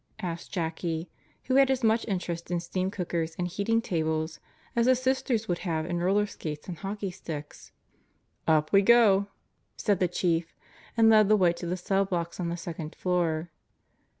asked Jackie, who had as much interest in steam cookers and heating tables as the Sisters would have in roller skates and hockey sticks. 12 God Goes to Murderer's Row "Up we go," said the Chief and led the way to the cell blocks on the second floor.